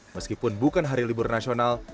meskipun bukan hari libur nasional